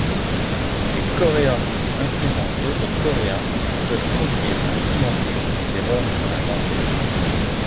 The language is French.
Les Coréens instruisant d'autres Coréens peuvent conduire à cimenter des erreurs dans la langue.